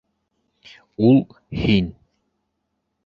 Ул - һин.